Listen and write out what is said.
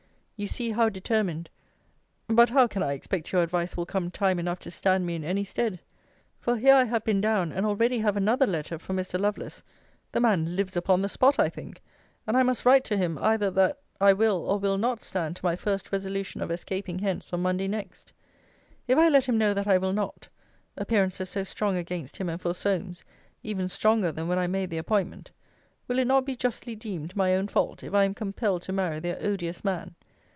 You see how determined But how can I expect your advice will come time enough to stand me in any stead? For here I have been down, and already have another letter from Mr. Lovelace [the man lives upon the spot, I think:] and I must write to him, either that I will or will not stand to my first resolution of escaping hence on Monday next. If I let him know that I will not, (appearances so strong against him and for Solmes, even stronger than when I made the appointment,) will it not be justly deemed my own fault, if I am compelled to marry their odious man?